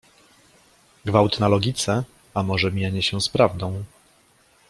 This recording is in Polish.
Gwałt na logice a może mijanie się z prawdą?